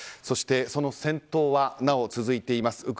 そして、その戦闘はなお続いています。